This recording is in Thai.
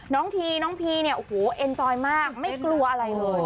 น้องทีน้องพีเนี่ยอู้หูเอ็นโจยมากไม่กลัวอะไรเลย